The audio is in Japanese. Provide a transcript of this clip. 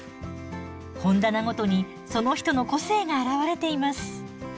本棚ごとにその人の個性が表れています。